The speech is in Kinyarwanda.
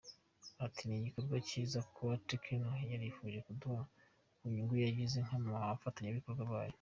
Ati “Ni igikorwa cyiza kuba Tecno yarifuje kuduha ku nyungu yagize nk’abafatanyabikorwa bayo.